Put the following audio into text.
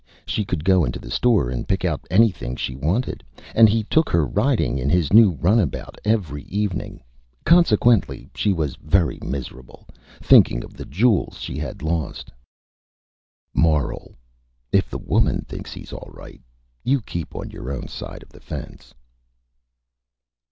She could go into the Store and pick out Anything she wanted, and he took her riding in his new Runabout every Evening. Consequently, she was very Miserable, thinking of the Jewel she had lost. MORAL: _If the Woman thinks he's All Right, you keep on your own Side of the Fence.